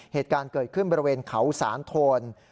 เหตุการณ์เกิดขึ้นบริเวณเขาสานโทน